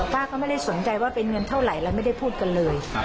ป้าก็ไม่ได้สนใจว่าเป็นเงินเท่าไหร่แล้วไม่ได้พูดกันเลย